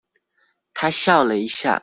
她笑了一下